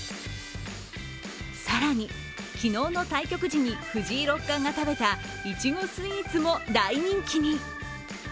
更に、昨日の対局時に藤井六冠が食べたいちごスイーツも大人気に。